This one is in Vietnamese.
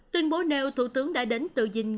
tuyên bố nêu thủ tướng đã đến tự dình